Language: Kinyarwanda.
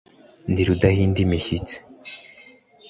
Ndi Rudahindimishyitsi